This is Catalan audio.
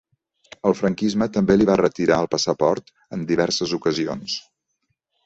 El franquisme també li va retirar el passaport en diverses ocasions.